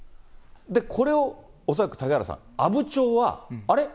これを恐らく嵩原さん、阿武町は、あれ？